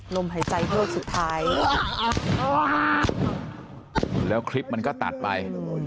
ลมหายใจเฮือกสุดท้ายแล้วคลิปมันก็ตัดไป